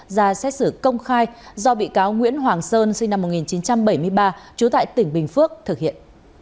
ra xét xử công khai do bị cáo nguyễn hoàng sơn sinh năm một nghìn chín trăm bảy mươi ba trú tại tỉnh bình phước thực hiện